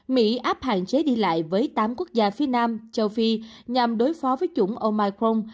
mỹ áp hạn chế đi lại với tám quốc gia phía nam châu phi nhằm đối phó với chủng omicron